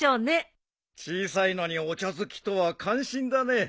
小さいのにお茶好きとは感心だね。